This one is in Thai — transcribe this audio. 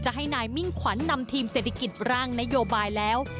ให้นายมิ่งขวัญนำทีมเศรษฐกิจร่างนโยบายแล้ว